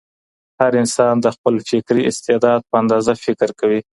هر انسان د خپل فطري استعداد په اندازه فکر کوي.